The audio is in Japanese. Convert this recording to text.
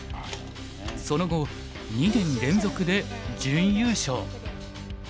その後２年連続で準優勝。